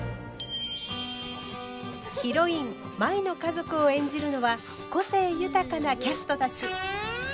ヒロイン舞の家族を演じるのは個性豊かなキャストたち。